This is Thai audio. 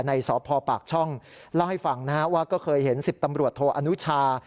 สพปากช่องเล่าให้ฟังนะฮะว่าก็เคยเห็น๑๐ตำรวจโทอนุชา